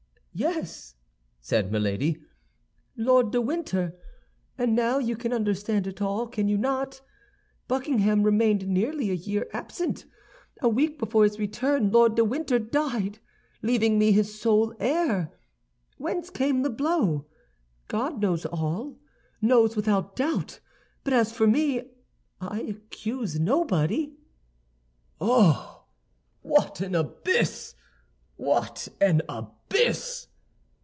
"Yes," said Milady, "Lord de Winter; and now you can understand it all, can you not? Buckingham remained nearly a year absent. A week before his return Lord de Winter died, leaving me his sole heir. Whence came the blow? God who knows all, knows without doubt; but as for me, I accuse nobody." "Oh, what an abyss; what an abyss!"